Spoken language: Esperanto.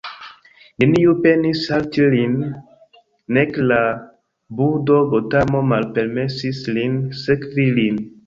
Neniu penis halti lin, nek la budho Gotamo malpermesis lin sekvi lin.